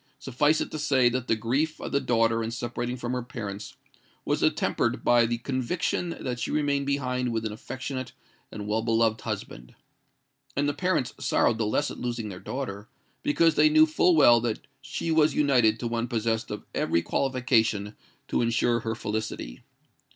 Suffice it to say that the grief of the daughter in separating from her parents was attempered by the conviction that she remained behind with an affectionate and well beloved husband; and the parents sorrowed the less at losing their daughter, because they knew full well that she was united to one possessed of every qualification to ensure her felicity.